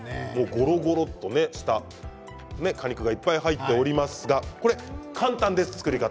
ゴロゴロっとした果肉がいっぱい入っておりますがこれ簡単です、作り方。